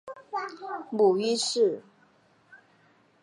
母于氏。